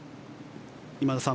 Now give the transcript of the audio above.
今田さん